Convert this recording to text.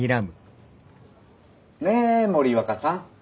ね森若さん。